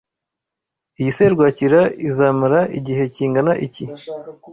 Iyi serwakira izamara igihe kingana iki?